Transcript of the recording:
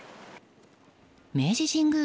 明治神宮